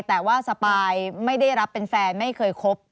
แต่ว่าสปายไม่ได้รับเป็นแฟนไม่เคยคบ